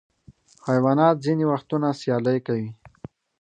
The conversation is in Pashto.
حیوانات ځینې وختونه سیالۍ کوي.